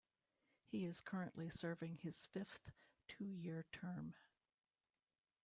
He is currently serving his fifth two-year term.